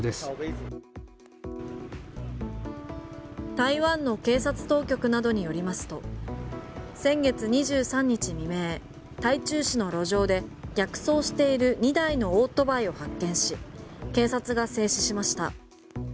台湾の警察当局などによりますと先月２３日未明台中市の路上で逆走している２台のオートバイを発見し警察が制止しました。